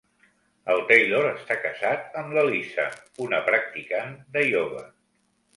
El Taylor està casat amb la Lisa, una practicant de ioga.